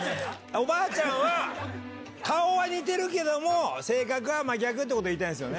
おばあちゃんは、顔は似てるけども、性格は真逆ということを言いたいんですよね。